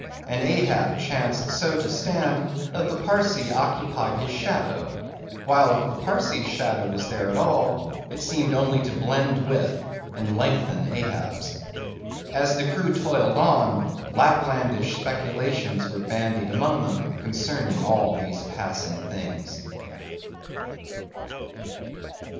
And Ahab chanced so to stand, that the Parsee occupied his shadow; while, if the Parsee's shadow was there at all it seemed only to blend with, and lengthen Ahab's. As the crew toiled on, Laplandish speculations were bandied among them, concerning all these passing things.